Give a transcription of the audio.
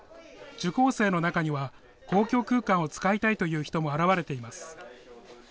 受講生の中には、公共空間を使いたいという人も現れています。